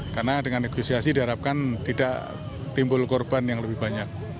karena dengan negosiasi diharapkan tidak timbul korban yang lebih banyak